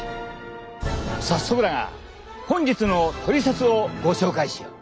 早速だが本日のトリセツをご紹介しよう！